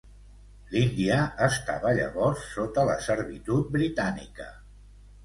L’Índia estava llavors sota la servitud britànica.